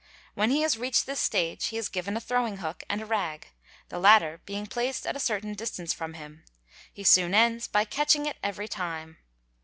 When he has reached this stage he is given a throwing hook and arag, the latter being placed at a certain distance from him. He soon ends by catching it everytime.